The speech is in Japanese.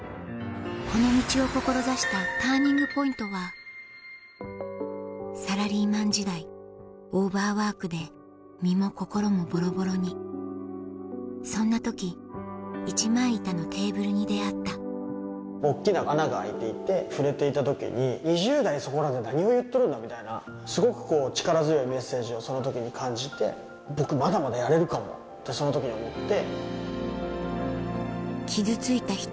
この道を志したＴＵＲＮＩＮＧＰＯＩＮＴはサラリーマン時代オーバーワークで身も心もボロボロに大っきな穴が開いていて触れていた時に「２０代そこらで何を言っとるんだ」みたいなすごく力強いメッセージをその時に感じて「僕まだまだやれるかも」ってその時に思って。